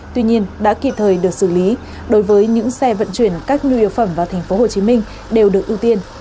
tuy nhiên đã kịp thời được xử lý đối với những xe vận chuyển các nhu yếu phẩm vào tp hcm đều được ưu tiên